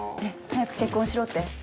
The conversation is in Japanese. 早く結婚しろって？